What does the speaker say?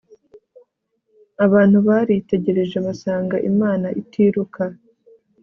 abantu baritegereje basanga imana itiruka